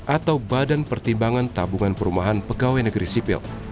atau badan pertimbangan tabungan perumahan pegawai negeri sipil